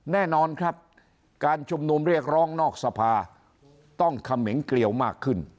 แน่นอนครับการชุมนุมเรียกร้องนอกสภาต้องเขมงเกลียวมากขึ้น